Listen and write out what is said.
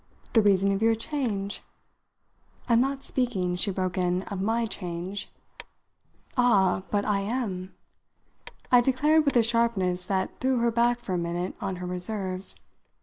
The reason of your change " "I'm not speaking," she broke in, "of my change." "Ah, but I am!" I declared with a sharpness that threw her back for a minute on her reserves.